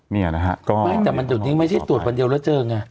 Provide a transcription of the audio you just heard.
นี่นะครับก็แต่มันตรงนี้ไม่ได้ตรวจวันเดียวแล้วเจอไง